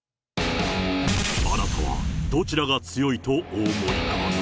あなたはどちらが強いとお思いかな？